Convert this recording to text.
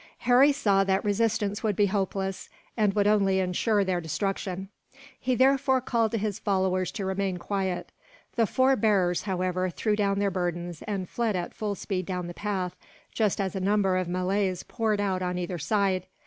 Harry saw that resistance would be hopeless, and would only ensure their destruction. He therefore called to his followers to remain quiet. The four bearers, however, threw down their burdens, and fled at full speed down the path, just as a number of Malays poured out on either side.